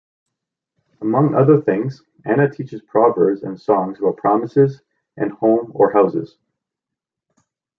Among other things, Anna teaches proverbs and songs about promises and home or houses.